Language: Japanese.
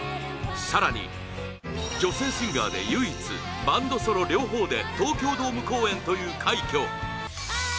更に、女性シンガーで唯一バンド・ソロ両方で東京ドーム公演という快挙！